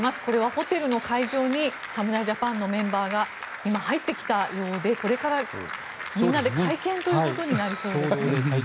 ホテルの会場に侍ジャパンのメンバーが入ってきたようでこれからみんなで会見ということになりそうです。